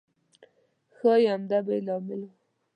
ښایي همدا به یې لامل و.